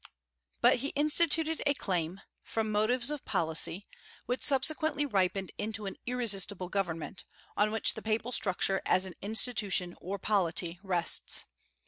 But he instituted a claim, from motives of policy, which subsequently ripened into an irresistible government, on which the papal structure as an institution or polity rests.